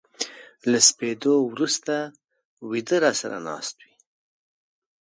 له سپېدو ورو سته و يده را سره ناست وې